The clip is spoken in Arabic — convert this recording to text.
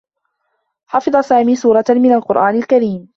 حفظ سامي سورة من القرآن الكريم.